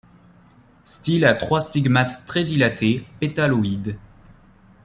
Style à trois stigmates très dilatés, pétaloïdes.